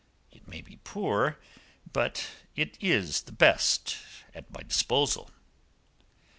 It may be poor, but it is the best at my disposal."